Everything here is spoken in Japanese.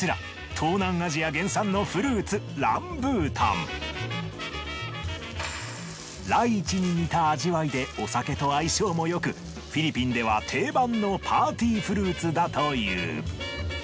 東南アジア原産のフルーツライチに似た味わいでお酒と相性もよくフィリピンでは定番のパーティーフルーツだという。